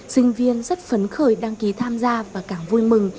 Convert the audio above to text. sinh viên rất phấn khởi đăng ký tham gia và càng vui mừng